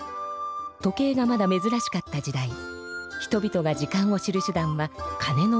時計がまだめずらしかった時代人々が時間を知る手だんはかねの音でした。